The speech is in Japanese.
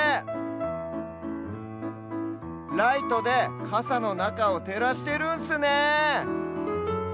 ライトでカサのなかをてらしてるんスね！